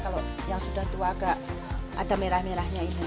kalau yang sudah tua agak ada merah merahnya ini